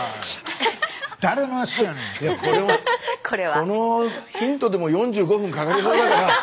このヒントでも４５分かかりそうだから。